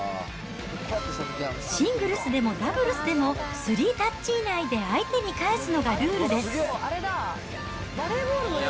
シングルスでもダブルスでも３タッチ以内で相手に返すのがルールです。